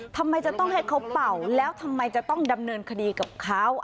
ทำไมจะต้องให้เขาเป่าแล้วทำไมจะต้องดำเนินคดีกับเขา